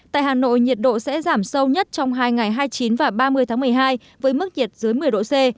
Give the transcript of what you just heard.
tại hà nội nhiệt độ sẽ giảm sâu nhất trong hai ngày hai mươi chín và ba mươi tháng một mươi hai với mức nhiệt dưới một mươi độ c